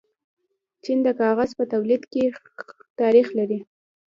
چین د کاغذ په تولید کې تاریخ لري.